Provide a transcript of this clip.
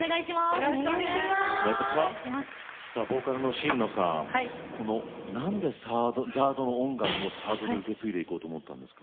ボーカルの神野さんなんでＺＡＲＤの音楽を受け継いでいこうと思ったんですか？